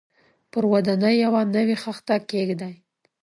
پر ودانۍ یوه نوې خښته کېږدي.